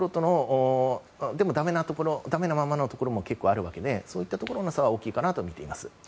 だめなままのところも結構あるわけでそういうところとの差は大きいかなと思います。